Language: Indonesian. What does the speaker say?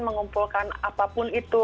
mengumpulkan apapun itu